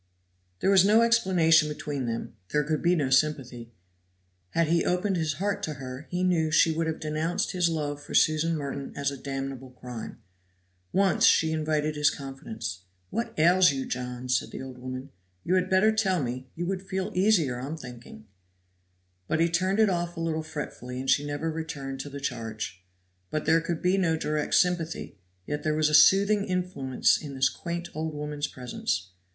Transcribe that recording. There was no explanation between them, there could be no sympathy; had he opened his heart to her he knew she would have denounced his love for Susan Merton as a damnable crime. Once she invited his confidence. "What ails you, John?" said the old woman. "You had better tell me; you would feel easier, I'm thinking." But he turned it off a little fretfully, and she never returned to the charge. But though there could be no direct sympathy, yet there was a soothing influence in this quaint old woman's presence.